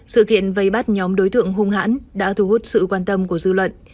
sự kiện vây bắt nhóm đối tượng hung hãn đã thu hút sự quan tâm của dư luận